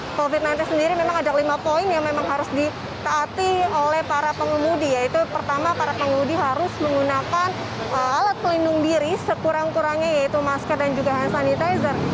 untuk covid sembilan belas sendiri memang ada lima poin yang memang harus ditaati oleh para pengemudi yaitu pertama para pengemudi harus menggunakan alat pelindung diri sekurang kurangnya yaitu masker dan juga hand sanitizer